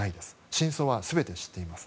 真相は全て知っています。